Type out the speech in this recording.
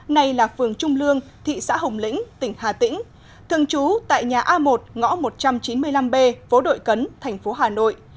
này là phường trung lương thị xã hồng lĩnh tỉnh hà tĩnh thường trú tại nhà a một ngõ một trăm chín mươi năm b phố đội cấn thành phố hà nội